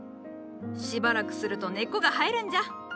しばらくすると根っこが生えるんじゃ。